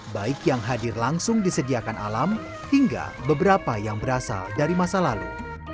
baik yang hadir langsung disediakan alam hingga beberapa yang berasal dari masa lalu